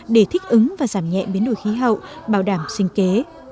để thích ứng và giảm nhẹ biến đổi khí hậu bảo đảm sinh kế